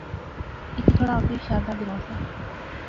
ایتھے تھوڑا اگے شاردا گراں سا